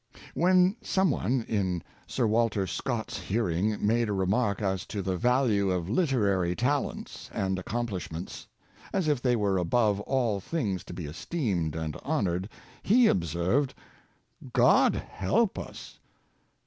When some one, in Sir Walter Scott's hearing, made a remark as to the value of literary talents and accom plishments, as if they were above all things to be esteemed and honored, he observed, " God help us